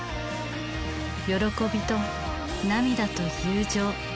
喜びと涙と友情。